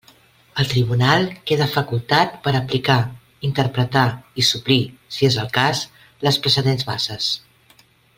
El tribunal queda facultat per a aplicar, interpretar i suplir, si és el cas, les precedents bases.